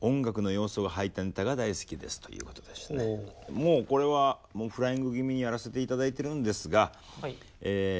もうこれはフライング気味にやらせて頂いてるんですがもうっすか？